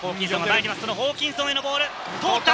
そのホーキンソンへのボール、通った！